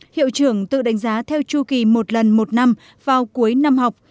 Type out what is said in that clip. hiệu trưởng tự đánh giá theo chu kỳ một lần một năm vào cuối năm học